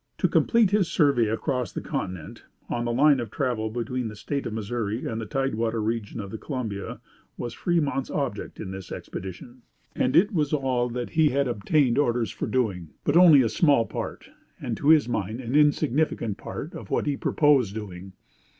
"To complete his survey across the continent, on the line of travel between the State of Missouri and the tide water region of the Columbia, was Fremont's object in this expedition; and it was all that he had obtained orders for doing; but only a small part, and to his mind an insignificant part, of what he proposed doing.